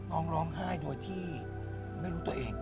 ร้องไห้โดยที่ไม่รู้ตัวเอง